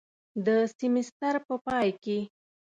د سیمیستر په پای کې